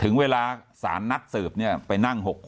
ถึงเวลาศาลนัดสืบเนี่ยไปนั่ง๖คนแล้วแล้วจดมาว่าไอจการจะซักพยานว่าอย่างไรบ้าง